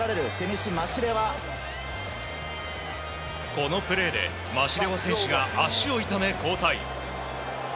このプレーでマシレワ選手が足を痛め交代。